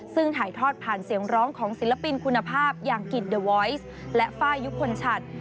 ซึ่งถ่ายทอดผ่านเสียงร้องของศิลปินคุณภาพอย่างกิจเดอร์วอยซ์และไฟล์ยุคลชัด